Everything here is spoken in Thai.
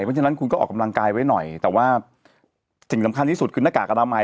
เพราะฉะนั้นคุณก็ออกกำลังกายไว้หน่อยแต่ว่าสิ่งสำคัญที่สุดคือหน้ากากอนามัย